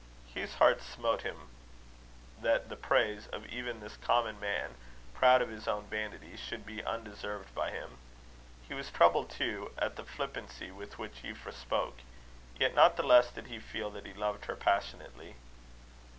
Hugh's heart smote him that the praise of even this common man, proud of his own vanity, should be undeserved by him. He was troubled, too, at the flippancy with which Euphra spoke; yet not the less did he feel that he loved her passionately.